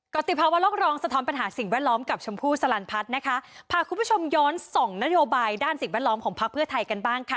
ติภาวะโลกรองสะท้อนปัญหาสิ่งแวดล้อมกับชมพู่สลันพัฒน์นะคะพาคุณผู้ชมย้อนส่องนโยบายด้านสิ่งแวดล้อมของพักเพื่อไทยกันบ้างค่ะ